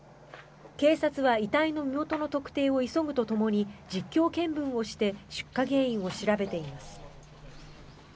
警察は遺体の身元の特定を急ぐとともに実況見分をして出火原因を調べています。